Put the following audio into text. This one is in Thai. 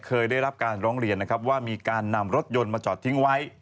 เคยได้รับการร้องเรียนนะครับว่ามีการนำรถยนต์มาจอดทิ้งไว้